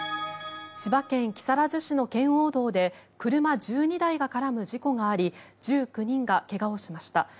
千葉県木更津市の圏央道で車１２台が絡む事故があり１９人が怪我をしました。